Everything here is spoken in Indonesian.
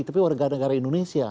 tapi warga negara indonesia